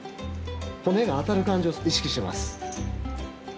骨が当たる感じを意識してます。